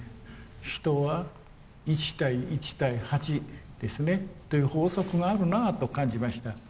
人は１対１対８ですねという法則があるなと感じました。